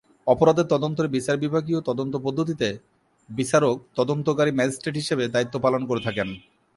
অপরাধের তদন্তের বিচার বিভাগীয় তদন্ত পদ্ধতিতে বিচারক তদন্তকারী ম্যাজিস্ট্রেট হিসেবে দায়িত্ব পালন করে থাকেন।